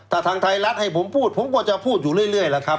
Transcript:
ถ้าทางไทยรัฐให้ผมพูดผมก็จะพูดอยู่เรื่อยล่ะครับ